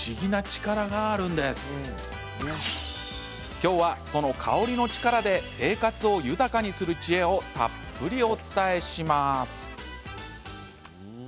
今日は、その香りの力で生活を豊かにする知恵をたっぷりお伝えします。